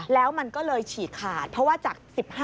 แล้วมันก็เลยฉีกขาดเพราะว่าจาก๑๕